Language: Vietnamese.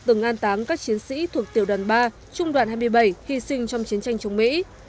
từng an táng các chiến sĩ thuộc tiểu đoàn ba trung đoàn hai mươi bảy hy sinh trong chiến tranh chống mỹ